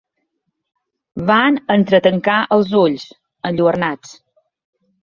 Van entretancar els ulls, enlluernats.